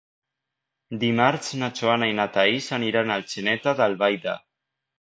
Dimarts na Joana i na Thaís aniran a Atzeneta d'Albaida.